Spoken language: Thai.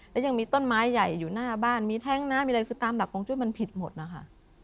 และยังมีต้นไม้ใหญ่อยู่หน้าบ้านมีแท้งน้ำมีอะไรคือตามหลักของจุ้ยมันผิดหมดนะคะ